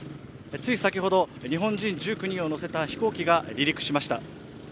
つい先ほど日本人１９人を乗せた飛行機が離陸しました。